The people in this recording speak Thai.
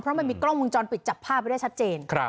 เพราะว่าไม่มีกล้องมึงจ้อนปิดจับภาพไปได้ชัดเจน